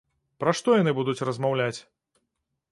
Пра што яны будуць размаўляць?